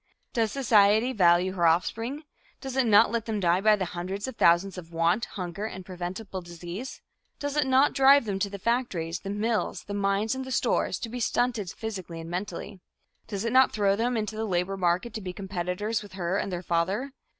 Does society value her offspring? Does it not let them die by the hundreds of thousands of want, hunger and preventable disease? Does it not drive them to the factories, the mills, the mines and the stores to be stunted physically and mentally? Does it not throw them into the labor market to be competitors with her and their father?